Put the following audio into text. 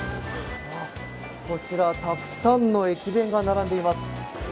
こちら、たくさんの駅弁が並んでいます。